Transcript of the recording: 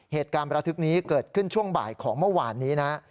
เหตุการณ์ประทึกนี้เกิดขึ้นช่วงบ่ายของเมื่อวานนี้นะ